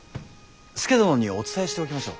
佐殿にお伝えしておきましょう。